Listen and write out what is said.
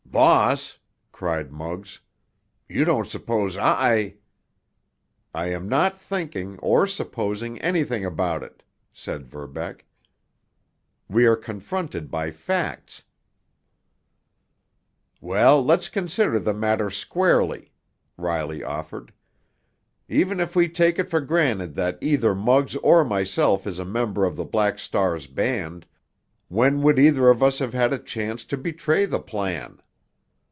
"Boss," cried Muggs, "you don't suppose I——" "I am not thinking, or supposing, anything about it," said Verbeck. "We are confronted by facts." "Well, let's consider the matter squarely," Riley offered. "Even if we take it for granted that either Muggs or myself is a member of the Black Star's band, when would either of us have had a chance to betray the plan?"